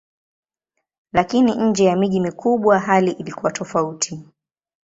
Lakini nje ya miji mikubwa hali ilikuwa tofauti.